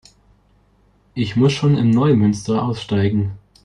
Ich muss schon in Neumünster aussteigen